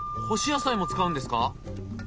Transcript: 干し野菜も使うんですか！？